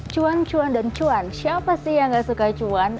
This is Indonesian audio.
cuan cuan dan cuan siapa sih yang gak suka cuan